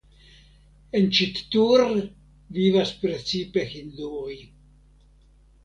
En Ĉittur vivas precipe hinduoj.